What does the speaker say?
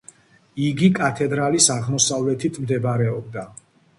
იგი კათედრალის აღმოსავლეთით მდებარეობდა.